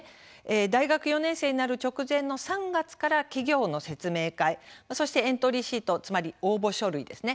大学４年生になる直前の３月から企業の説明会そして、エントリーシートつまり応募書類ですね